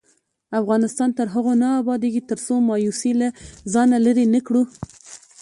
افغانستان تر هغو نه ابادیږي، ترڅو مایوسي له ځانه لیرې نکړو.